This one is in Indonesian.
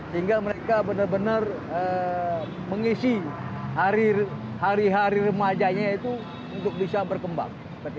sehingga mereka benar benar mengisi hari hari remajanya itu untuk bisa berkembang